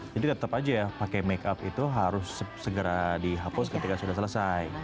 jadi tetap aja ya pakai make up itu harus segera dihapus ketika sudah selesai